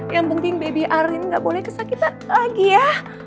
yang penting baby aren nggak boleh kesakitan lagi ya